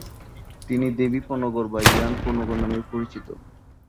তিনি "দেবী পো নগর" বা "ইয়ান পো নগর" নামেও পরিচিত।